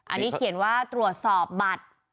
อันนี้เขียนว่าตรวจสอบบัตร